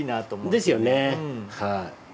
ですよねはい。